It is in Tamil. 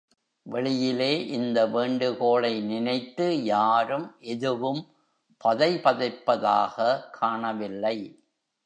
வெளியிலே இந்த வேண்டுகோளை நினைத்து யாரும் எதுவும் பதைபதைப்பதாக காணவில்லை.